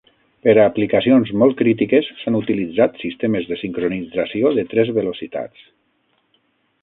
Per a aplicacions molt crítiques, s'han utilitzat sistemes de sincronització de tres velocitats.